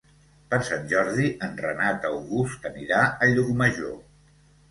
Per Sant Jordi en Renat August anirà a Llucmajor.